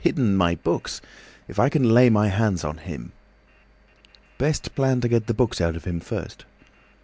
Hidden my books! If I can lay my hands on him!" "Best plan to get the books out of him first."